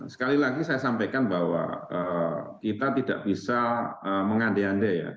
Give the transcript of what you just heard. sekali lagi saya sampaikan bahwa kita tidak bisa mengande andai ya